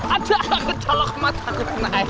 ada kecelakaan mata aku